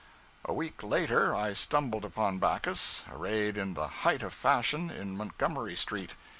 A week later, I stumbled upon Backus arrayed in the height of fashion in Montgomery Street.